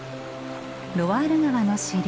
ロワール川の支流